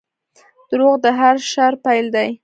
• دروغ د هر شر پیل دی.